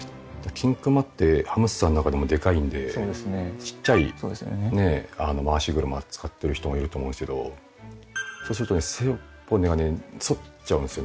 キンクマってハムスターの中でもデカいんで小っちゃい回し車使ってる人もいると思うんですけどそうするとね背骨がね反っちゃうんですよ